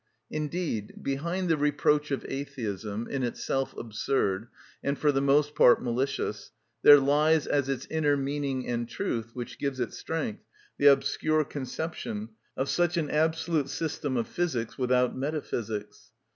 Indeed behind the reproach of atheism, in itself absurd, and for the most part malicious, there lies, as its inner meaning and truth, which gives it strength, the obscure conception of such an absolute system of physics without metaphysics.